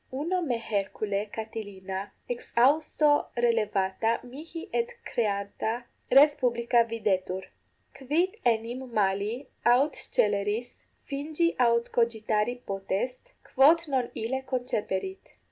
Uno me hercule Catilina exhausto relevata mihi et recreata res publica videtur. Quid enim mali aut sceleris fingi aut cogitari potest, quod non ille conceperit?